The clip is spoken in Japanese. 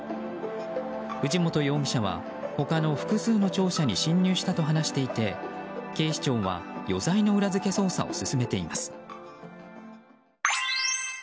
藤本容疑者は他の複数の庁舎に侵入したと話していて警視庁は余罪の裏付け捜査を進めています。